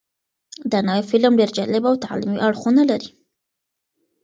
دا نوی فلم ډېر جالب او تعلیمي اړخونه لري.